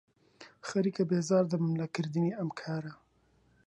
خەریکە بێزار دەبم لە کردنی ئەم کارە.